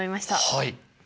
はい。